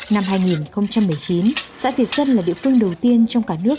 năm hai nghìn một mươi chín xã việt dân là địa phương đầu tiên trong cả nước